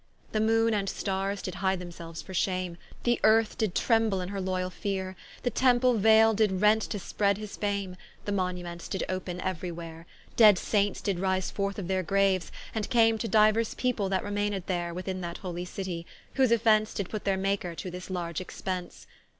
The Moone and Starres did hide themselues for shame, The earth did [t]remble in her loyall feare, The Temple vaile did rent to spread his fame, The Monuments did open euery where; Dead Saints did rise forth of their graues, and came To diuers people that remained there Within that holy City; whose offence, Did put their Maker to this large expence.